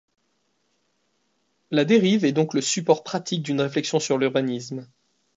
La dérive est donc le support pratique d’une réflexion sur l’urbanisme.